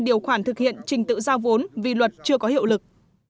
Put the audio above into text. điều khoản thực hiện trình tự giao vốn vì luật chưa có hiệu lực